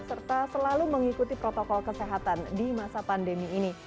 serta selalu mengikuti protokol kesehatan di masa pandemi ini